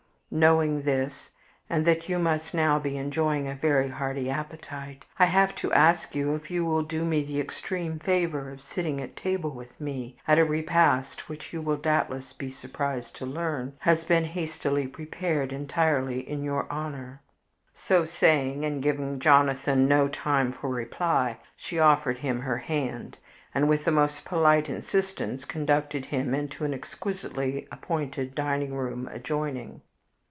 Knowing this, and that you must now be enjoying a very hearty appetite, I have to ask you if you will do me the extreme favor of sitting at table with me at a repast which you will doubtless be surprised to learn has been hastily prepared entirely in your honor." So saying, and giving Jonathan no time for reply, she offered him her hand, and with the most polite insistence conducted him into an exquisitely appointed dining room adjoining.